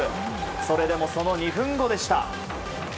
それでも、その２分後でした。